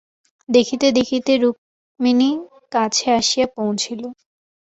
দেখিতে দেখিতে রুক্মিণী কাছে আসিয়া পৌঁছিল।